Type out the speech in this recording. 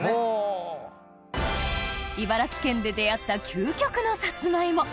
茨城県で出合った究極のサツマイモ